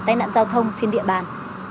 tai nạn giao thông trên địa bàn